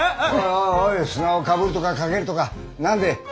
おいおい砂をかぶるとかかけるとか何でえ？